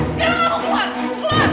sekarang aku keluar